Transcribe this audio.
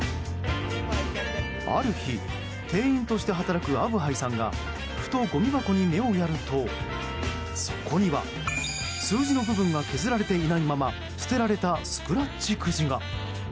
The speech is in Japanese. ある日、店員として働くアブハイさんがふと、ごみ箱に目をやるとそこには数字の部分が削られていないまま捨てられたスクラッチくじが。